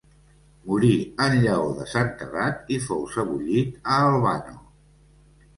Morí en llaor de santedat i fou sebollit a Albano.